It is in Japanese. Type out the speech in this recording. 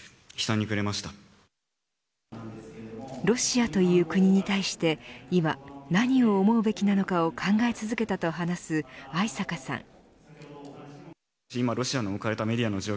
ロシアという国に対して今、何を思うべきなのかを考え続けたと話す逢坂さん。